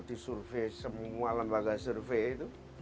disurvey semua lembaga survey itu